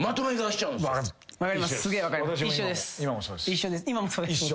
一緒です。